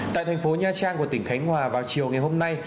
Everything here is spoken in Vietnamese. tại thành phố nha trang của tỉnh khánh hòa vào chiều ngày hôm nay